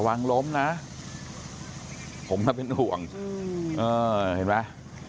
ระวังล้มนะผมน่าเป็นอ่วงเห็นมั้ย